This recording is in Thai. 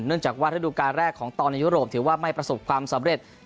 จากว่าระดูการแรกของตอนในยุโรปถือว่าไม่ประสบความสำเร็จ